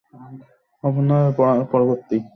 আপনার পরবর্তী আদেশ কি, ম্যাম?